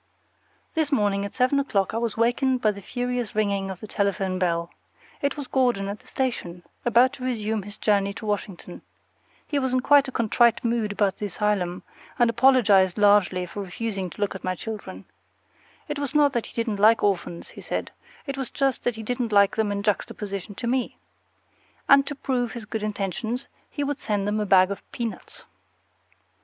This morning at seven o'clock I was wakened by the furious ringing of the telephone bell. It was Gordon at the station, about to resume his journey to Washington. He was in quite a contrite mood about the asylum, and apologized largely for refusing to look at my children. It was not that he didn't like orphans, he said; it was just that he didn't like them in juxtaposition to me. And to prove his good intentions, he would send them a bag of peanuts.